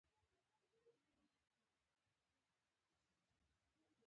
میرزا فیض محمد کاتب وايي چې عمرا خان تسلیم شو.